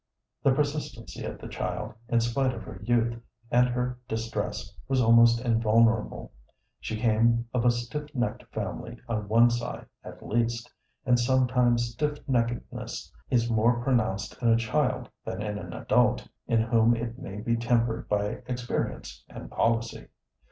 The persistency of the child, in spite of her youth and her distress, was almost invulnerable. She came of a stiff necked family on one side at least, and sometimes stiff neckedness is more pronounced in a child than in an adult, in whom it may be tempered by experience and policy.